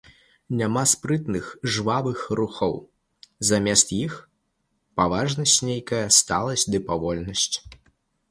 Няма спрытных жвавых рухаў, замест іх паважнасць нейкая, сталасць ды павольнасць.